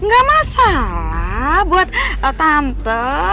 gak masalah buat tante